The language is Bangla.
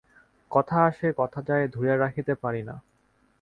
কথা আসে, কথা যায়, ধরিয়া রাখিতে পারি না।